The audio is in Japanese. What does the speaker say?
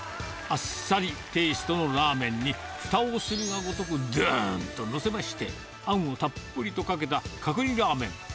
あっさりテイストのラーメンに、ふたをするがごとくずーんと載せまして、あんをたっぷりとかけた角煮ラーメン。